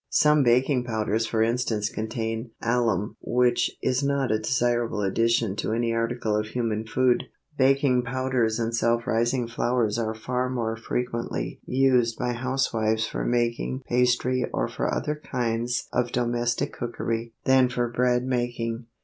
Some baking powders for instance contain alum which is not a desirable addition to any article of human food. Baking powders and self rising flours are far more frequently used by house wives for making pastry or for other kinds of domestic cookery than for breadmaking.